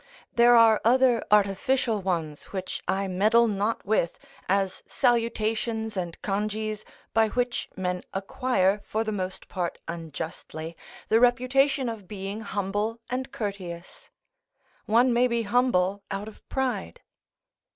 There are other artificial ones which I meddle not with, as salutations and congees, by which men acquire, for the most part unjustly, the reputation of being humble and courteous: one may be humble out of pride.